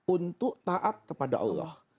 untuk taat kepada allah